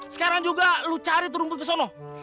sekarang juga lu cari tuh rumput kesana